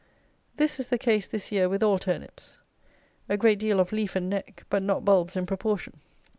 This is the case this year with all turnips. A great deal of leaf and neck, but not bulbs in proportion.